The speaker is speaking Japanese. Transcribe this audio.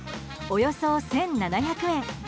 およそ１７００円。